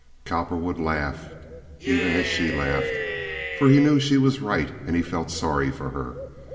Cowperwood laughed even as she laughed, for he knew she was right and he felt sorry for her.